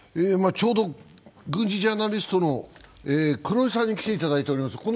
ちょうど軍事ジャーナリストの黒井さんに来ていただいております。